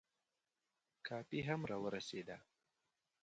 کافي هم را ورسېده.